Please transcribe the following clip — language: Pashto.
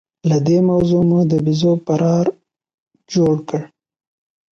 له دې موضوع مو د بيزو پرهار جوړ کړ.